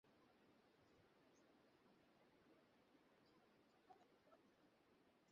তবে রিটার্নিং কর্মকর্তা প্রয়োজন মনে করলে ফৌজদারি আইন অনুযায়ী ব্যবস্থা নিতে পারবেন।